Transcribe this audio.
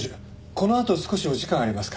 このあと少しお時間ありますか？